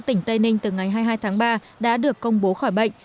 tỉnh tây ninh từ ngày hai mươi hai tháng ba đã được công bố khỏi bệnh